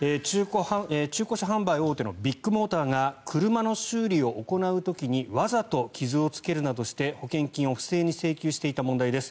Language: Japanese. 中古車販売大手のビッグモーターが車の修理を行う時にわざと傷をつけるなどして保険金を不正に請求していた問題です。